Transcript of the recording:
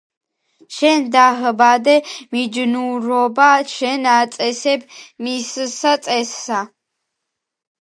შენ დაჰბადე მიჯნურობა, შენ აწესებ მისსა წესსა